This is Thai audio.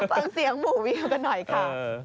ฟังเสียงหมู่วิวกันหน่อยค่ะ